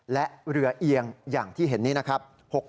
และเรือเอียงอย่างที่เห็นนี้นะครับ